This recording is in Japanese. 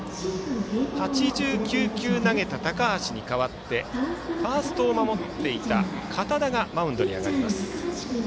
８９球投げた高橋に代わってファーストを守っていた堅田がマウンドに上がります。